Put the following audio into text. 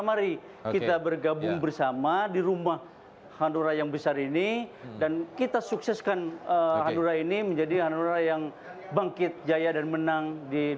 mari kita bergabung bersama di rumah handura yang besar ini dan kita sukseskan handura ini menjadi handura yang bangkit jaya dan menang di dua ribu sembilan belas